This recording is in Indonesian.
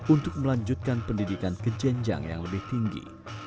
untuk melanjutkan pendidikan kejenjang yang lebih tinggi